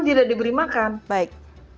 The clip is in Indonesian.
tidak diberi makan baik